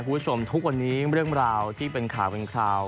คุณผู้ชมทุกวันนี้เรื่องราวที่เป็นข่าวเป็นคราว